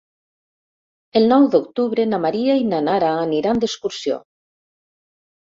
El nou d'octubre na Maria i na Nara aniran d'excursió.